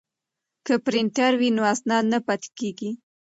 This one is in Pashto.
که پرینټر وي نو اسناد نه پاتیږي.